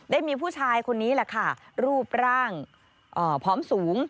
ได้มีผู้ชายคนนี้แหละค่ะรูปร่างผอมสูง